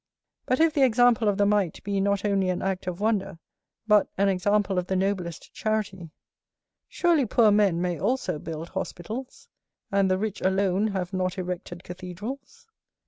But if the example of the mite be not only an act of wonder, but an example of the noblest charity, surely poor men may also build hospitals, and the rich alone have not erected cathedrals.